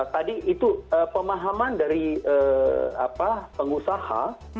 tadi itu pemahaman dari pengusaha